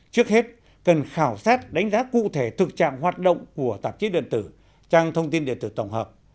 trước hết cần khảo sát đánh giá cụ thể thực trạng hoạt động của tạp chí điện tử trang thông tin điện tử tổng hợp